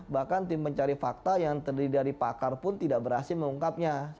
bahkan tim pencari fakta yang terdiri dari pakar pun tidak berhasil mengungkapnya